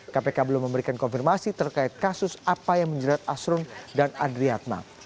kpk belum memberikan konfirmasi terkait kasus apa yang menjelat asrun dan adriat mahdwi putra